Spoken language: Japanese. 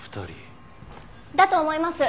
だと思います。